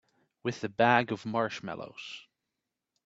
With a bag of marshmallows.